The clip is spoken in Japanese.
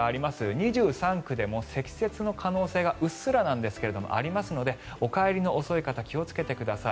２３区でも積雪の可能性がうっすらなんですがありますのでお帰りの遅い方気をつけてください。